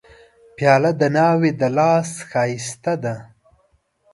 پیاله د ناوې د لاس ښایسته ده.